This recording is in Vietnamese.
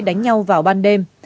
đánh nhau vào ban đêm